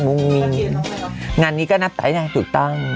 มึงมีนี้อีกแล้วไงครับงานนี้ก็นับไต้นะถูกต้อง